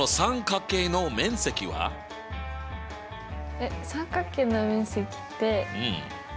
えっ三角形の面積って底辺×